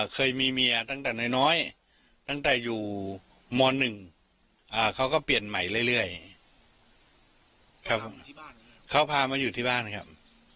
เคยมีผู้ประคองเด็กผู้หญิงมาตามอยู่บ้านครับ